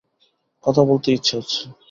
কথা বলতে ইচ্ছা হচ্ছে।